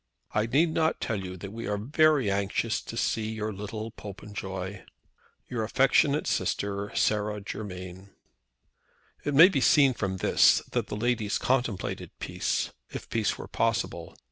I need not tell you that we are very anxious to see your little Popenjoy. "Your affectionate Sister, "SARAH GERMAIN." It may be seen from this that the ladies contemplated peace, if peace were possible.